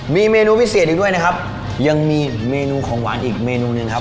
มีเมนูพิเศษอีกด้วยนะครับยังมีเมนูของหวานอีกเมนูหนึ่งครับ